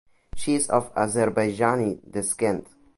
She is of Azerbaijani descent.